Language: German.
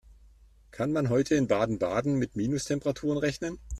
Kann man heute in Baden-Baden mit Minustemperaturen rechnen?